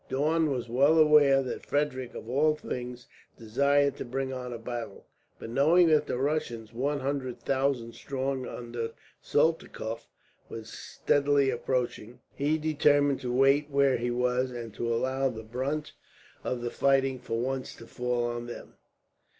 Daun was well aware that Frederick, of all things, desired to bring on a battle; but knowing that the Russians, one hundred thousand strong, under Soltikoff, were steadily approaching, he determined to wait where he was, and to allow the brunt of the fighting, for once, to fall on them.